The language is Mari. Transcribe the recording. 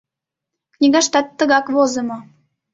Книгаштат тыгак возымо.